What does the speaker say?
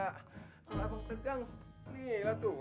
kalau abang tegang nih lah tuh